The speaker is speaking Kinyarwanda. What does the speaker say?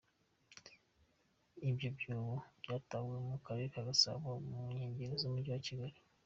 Ibyo byobo byatahuwe mu karere ka Gasabo, mu nkengero z'umujyi wa Kigali.